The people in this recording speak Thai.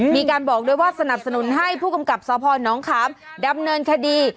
มีการบอกด้วยว่าสนับสนุนให้ผู้กำกับสพนขามดำเนินคดี